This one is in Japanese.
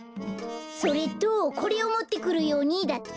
それとこれをもってくるようにだって。